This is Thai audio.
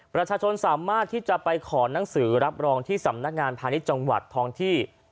ปัจจุนสามารถซุดขอหนังสือรับรองที่สำนักงานภาณิชิธรรมที่